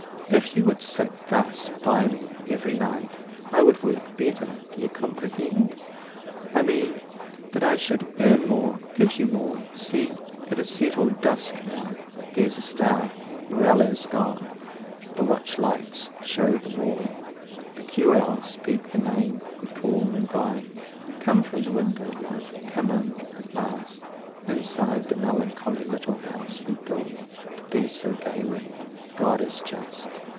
If you would sit thus by me every night 205 I should work better, do you comprehend? I mean that I should earn more, give you more. See, it is settled dusk now; there's a star; Morello's gone, the watch lights show the wall, The cue owls speak the name we call them by. 210 Come from the window, love come in, at last, Inside the melancholy little house We built to be so gay with. God is just.